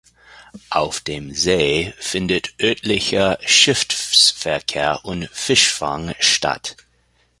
Auf dem See findet örtlicher Schiffsverkehr und Fischfang statt.